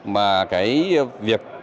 mà cái việc